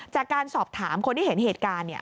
จากการสอบถามคนที่เห็นเหตุการณ์เนี่ย